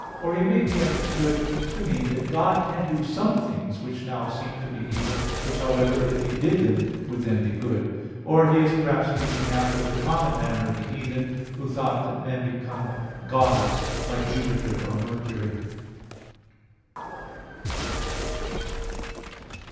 Or he may be understood to mean that God can do some things which now seem to be evil: which, however, if He did them, would then be good. Or he is, perhaps, speaking after the common manner of the heathen, who thought that men became gods, like Jupiter or Mercury.